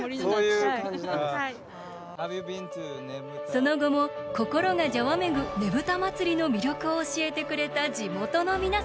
その後も心がじゃわめぐねぶた祭の魅力を教えてくれた地元の皆さん。